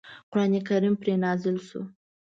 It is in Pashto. قرآن کریم پرې نازل شو.